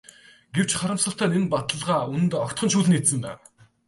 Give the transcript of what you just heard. Гэвч харамсалтай нь энэ баталгаа үнэнд огтхон ч үл нийцнэ.